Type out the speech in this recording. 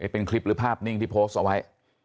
เป็นคลิปหรือภาพนิ่งที่โพสต์เอาไว้